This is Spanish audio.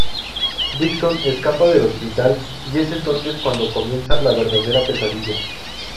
Dixon escapa del hospital y es entonces cuando comienza la verdadera pesadilla.